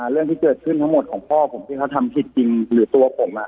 เรื่องที่เกิดขึ้นทั้งหมดของพ่อผมที่เขาทำผิดจริงหรือตัวผม